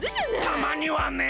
たまにはね！